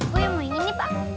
gue mau yang ini pak